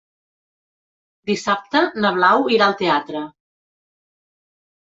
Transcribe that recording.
Dissabte na Blau irà al teatre.